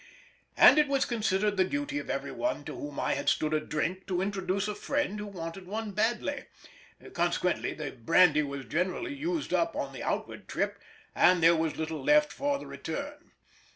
And it was considered the duty of every one to whom I had stood a drink to introduce a friend who wanted one badly; consequently the brandy was generally used up on the outward trip, and there was little left for the return.